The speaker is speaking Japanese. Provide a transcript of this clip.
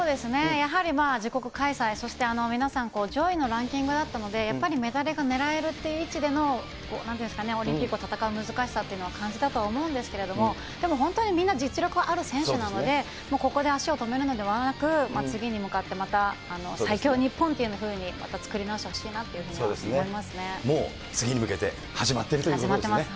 やはり自国開催、そして、皆さん、上位のランキングだったので、やっぱりメダルが狙えるっていう位置でのなんていうんですかね、オリンピックを戦う難しさっていうのは感じたと思うんですけれども、でも、本当にみんな、実力ある選手なので、ここで足を止めるのではなく、次に向かってまた最強日本というふうに、また作り直してほしいなもう次に向けて、始まってます。